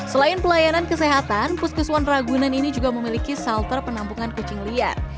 selain pelayanan kesehatan puskeswan ragunan ini juga memiliki shelter penampungan kucing liar